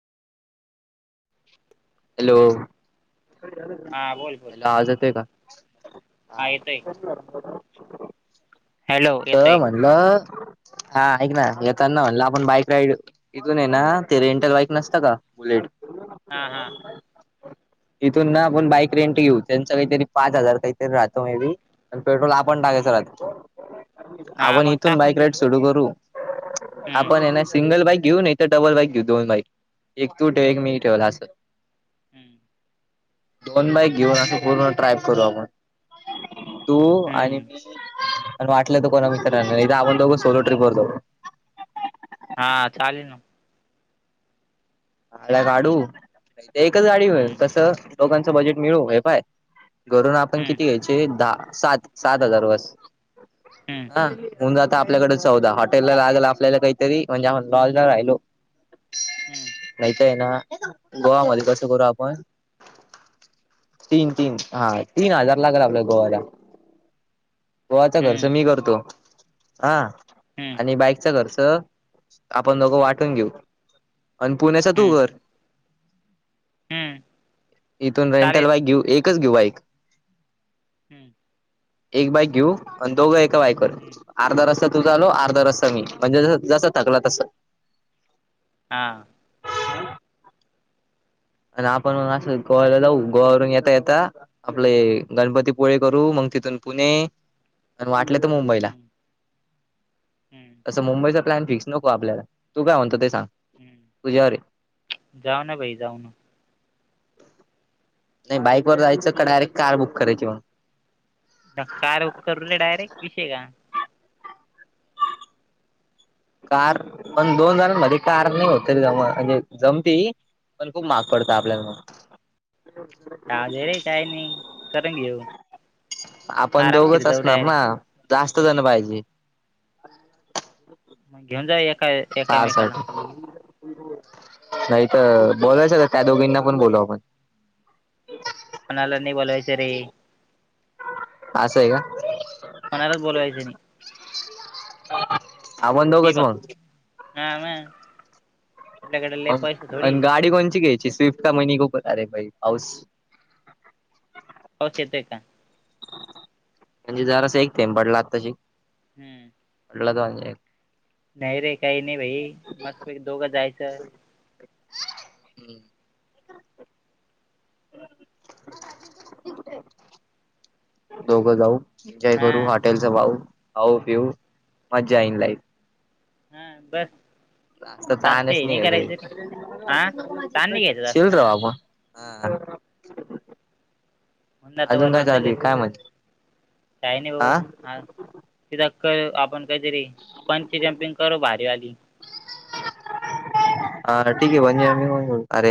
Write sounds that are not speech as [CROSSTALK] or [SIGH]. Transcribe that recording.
Hello hello. हा बोल बोल आवाज येते आहे का? हा येतोय. हॅलो [UNINTELLIGIBLE] त येतोय म्हणल हा ऐक ना येताना म्हणलं आपण बाईक राईड इथून आहे ना ते रेंटल बाईक नसतं का बुलेट हा हा. तिथून ना आपण बाईक रेंट घेऊ त्यांचा काहीतरी पाच हजार काहीतरी राहतो मेबी आणि पेट्रोल आपण टाकायचं राहत हा आपण मग इथून टाकून बाईक दे राईड ना सुरू करू हम्म आपण ये ना सिंगल बाईक घेऊ नाही तर बल बाक घेऊ दोन बाई एक तू ठेव एक मी हम्म ठेव असं दोन बाईक घेऊन असं पूर्ण ट्राय करू आपण तू आणि हम्म मी पन वाटलं तर कोणा मित्रां नाही तर आपण दोघ सोलो ट्रीप वर जाऊ हा चालेल ना. आला गडू एकच गाडी हम्म कस दोघांचं बजेट मिळू हे पाय घरून आपण हम्म किती घ्यायचे दहा सात सात हजार बस. हम्म हा होऊन जातं आपल्याकडे चौदा हॉटेलला लागेल आपल्याला काहीतरी म्हणजे आप लॉज ला राहिलो हम्म. नाहीत आहे ना गोवामध्ये कसं करू आपण तीन तीन हा तीन हजार लागला आपल्या गोव्याला गोवाचा खर्च हम्म मी करतो हा हम्म. आणि बाईक चा खर्च आपण दोघ वाटून घेऊ पुण्याच तू हम्म कर. हम्म इथून रेंटल चालेल बाईक घेऊ एकच घेऊ बाईक. हम्म. एक बाईक घेऊ आणि दोघं एका बाईकवर हम्म अर्धा रस्ता तुझा चालव हम्म अर्धा रस्ता म्हणजे ज जस थकला तस हा. आणि आपण असं गोव्याला जाऊ गोवावरून येता येता आपले गणपतीपुळे करू मग तिथून पुणे आणि वाटलं तर मुंबईला हम्म हम्म तसं मुंबईच प्लॅन फिक्स नको आपल्याला तू काय म्हणतो ते सांग तुझ्यावर आहे हम्म जाऊ ना भाई जाऊ ना. नाही बाईकवर जायचं का डायरेक्ट कार बुक करायची मग? कार करूले डायरेक्ट विषय का. कार पण दोन जणांमध्ये कार नाही होते रे जमा म्हणजे जमती. पण खूप महाग पडत आपल्याला म. जाऊ दे रे काय नाही करून घेऊ आपण आरामशीर दोघच जाऊ असणार डायरेक्ट ना. जास्त जण पाइजे मग घेऊन जाव्या य काय तारसाठी नाइ तर् बोलायच त त्या दोगीना पण बोलाउ आपण कोणाला नइ बोलवायचं रे. असाए का? कोणालाच बोलावायचं नइ आपण मी दोगच बघ मग? हा म. मग थोडी अन् गाडी कोणची घ्याँयची स्विफ्ट का मनी गो [UNINTELLIGIBLE] आरे भाई पाऊस. पऊस येतोय का? म्हणजे जरास एक थेंब पडला आताशी. हम्म [UNINTELLIGIBLE] नाई रे काई नाई भाई मस्तपैकी दोग जायचं. हम्म [UNINTELLIGIBLE] दोग जाऊ एन्जॉय करू हां हॉटेलच पाहू, खाऊ- पिऊ मज्जा इन लाइफ हा बर. आस तानच नाही घरी हां ताण नाही घ्यायचा जास्त चिल राहु हां आपण हा. म्हणून आता अजून काय वरवर चालू आहे सगळेच काय म्हणते काइ ना ओ खास. तिथ क आपण काइतरी पंची जंपिंग करू भारीवाली. आना ठीकए पन्जिजंपिंग पण करू आरे.